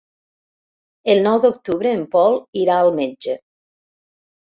El nou d'octubre en Pol irà al metge.